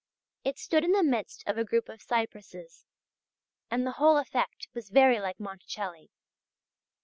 It stood in the midst of a group of cypresses, and the whole effect was very like Monticelli.